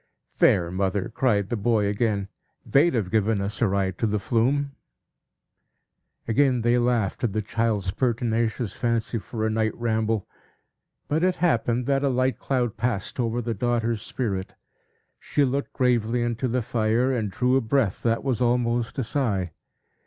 "There, mother!" cried the boy, again. "They'd have given us a ride to the Flume." Again they laughed at the child's pertinacious fancy for a night ramble. But it happened, that a light cloud passed over the daughter's spirit; she looked gravely into the fire, and drew a breath that was almost a sigh.